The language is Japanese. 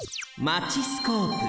マチスコープ。